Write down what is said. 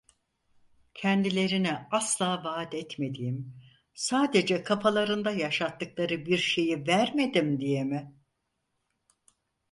Kendilerine asla vaat etmediğim, sadece kafalarında yaşattıkları bir şeyi vermedim diye mi?